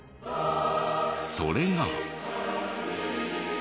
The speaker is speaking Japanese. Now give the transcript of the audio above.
それが。